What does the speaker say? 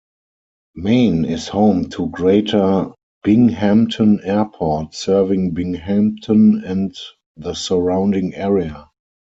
Maine is home to Greater Binghamton Airport, serving Binghamton and the surrounding area.